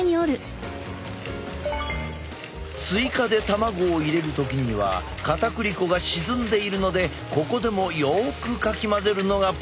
追加で卵を入れる時にはかたくり粉が沈んでいるのでここでもよくかき混ぜるのがポイントだ。